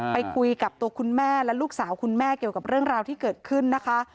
ไปคุยกับตัวคุณแม่และลูกสาวคุณแม่เกี่ยวกับเรื่องราวที่เกิดขึ้นนะคะ